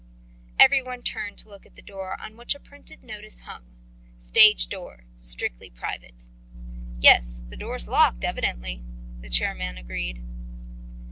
Every one turned to look at the door, on which a printed notice hung: "Stage Door. Strictly Private." "Yes, the door's locked, evidently," the chairman agreed.